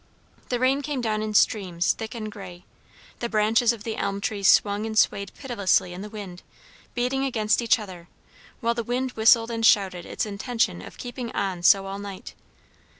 The rain came down in streams, thick and grey. The branches of the elm trees swung and swayed pitilessly in the wind, beating against each other; while the wind whistled and shouted its intention of keeping on so all night.